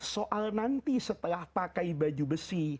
soal nanti setelah pakai baju besi